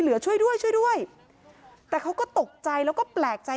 พ่อแม่มาเห็นสภาพศพของลูกร้องไห้กันครับขาดใจ